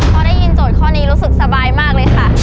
พอได้ยินโจทย์ข้อนี้รู้สึกสบายมากเลยค่ะ